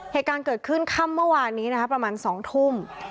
เหตุการณ์เกิดขึ้นค่ำเมื่อวานนี้นะครับประมาณ๒ทุ่ม